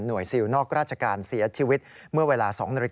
หน่วยซิลนอกราชการเสียชีวิตเมื่อเวลา๒น